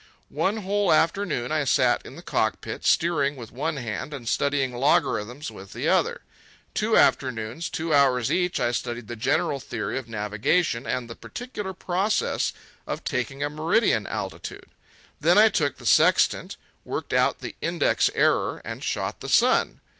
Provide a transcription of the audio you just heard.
One whole afternoon I sat in the cockpit, steering with one hand and studying logarithms with the other. Two afternoons, two hours each, I studied the general theory of navigation and the particular process of taking a meridian altitude. Then I took the sextant, worked out the index error, and shot the sun.